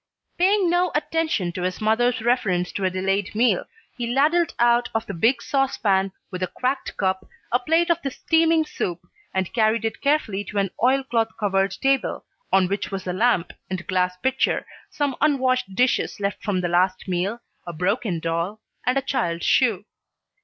Paying no attention to his mother's reference to a delayed meal, he ladled out of the big saucepan, with a cracked cup, a plate of the steaming soup, and carried it carefully to an oilcloth covered table, on which was a lamp and glass pitcher, some unwashed dishes left from the last meal, a broken doll, and a child's shoe.